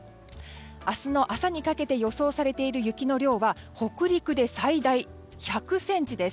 明日の朝にかけて予想されている雪の量は北陸で最大１００ｃｍです。